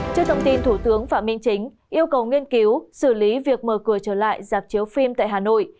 trước thông tin thủ tướng phạm minh chính yêu cầu nghiên cứu xử lý việc mở cửa trở lại dạp chiếu phim tại hà nội